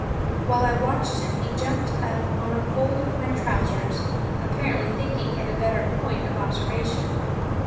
While I watched him he jumped up on a fold of my trousers, apparently thinking it a better point of observation.